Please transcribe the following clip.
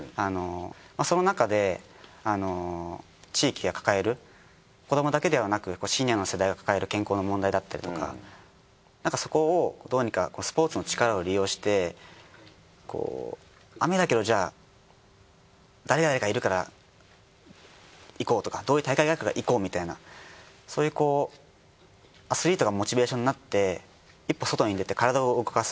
そのなかで地域が抱える子どもだけではなくシニアの世代が抱える健康の問題だったりとかそこをどうにかスポーツの力を利用して雨だけどじゃあ誰々がいるから行こうとかこういう大会があるから行こうみたいなそういうアスリートがモチベーションになって一歩外に出て体を動かす。